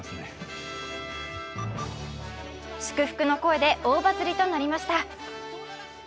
祝福の声で大バズりとなりました。